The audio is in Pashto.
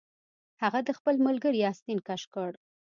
هغه د خپل ملګري آستین کش کړ